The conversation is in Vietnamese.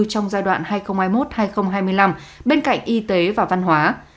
trong giai đoạn hai nghìn hai mươi một hai nghìn hai mươi năm bên cạnh y tế và văn hóa